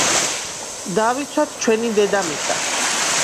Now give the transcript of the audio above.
დავიცვათ ჩვენი დედამიწა